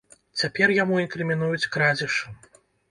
Цяпер яму інкрымінуюць крадзеж.